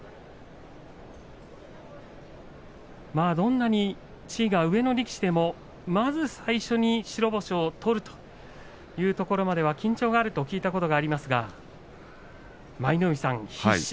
どんなに地位が上の力士でもまず最初に白星を取るというところまでは緊張があると聞いたことがありますが舞の海さん